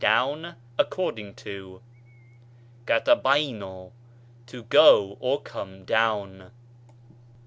down, according to. καταβαίνω, to go or come down.